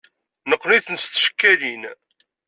Neqqen-iten s tcekkalin.